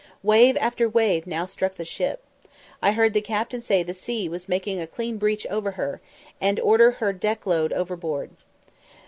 Wave after wave now struck the ship. I heard the captain say the sea was making a clean breach over her, and order the deck load overboard.